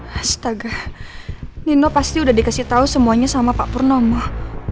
astaga nina pasti udah dikasih tau semuanya sama pak purno mah